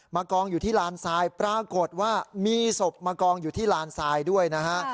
กองอยู่ที่ลานทรายปรากฏว่ามีศพมากองอยู่ที่ลานทรายด้วยนะฮะ